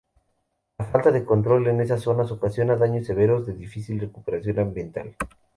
La falta de control en estas zonas ocasiona daños severos de difícil recuperación ambiental.